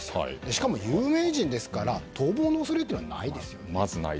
しかも有名人ですから逃亡の恐れはないですよね。